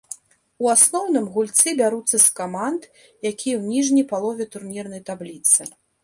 У асноўным гульцы бяруцца з каманд, якія ў ніжняй палове турнірнай табліцы.